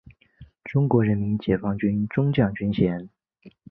中国人民解放军中将军衔。